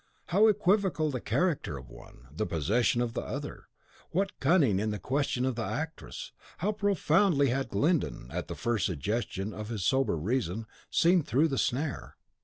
How equivocal the character of one, the position of the other! What cunning in the question of the actress! How profoundly had Glyndon, at the first suggestion of his sober reason, seen through the snare.